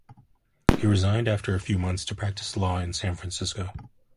He resigned after a few months to practice law in San Francisco.